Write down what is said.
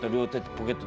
ポケット